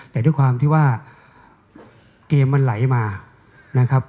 แต่ด้วยความที่ว่าเกมมันไหลมานะครับ